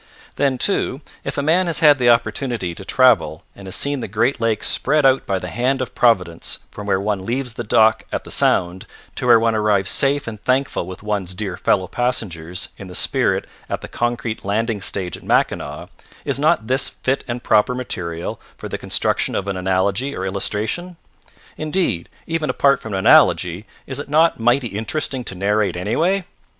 Then, too, if a man has had the opportunity to travel and has seen the great lakes spread out by the hand of Providence from where one leaves the new dock at the Sound to where one arrives safe and thankful with one's dear fellow passengers in the spirit at the concrete landing stage at Mackinaw is not this fit and proper material for the construction of an analogy or illustration? Indeed, even apart from an analogy, is it not mighty interesting to narrate, anyway?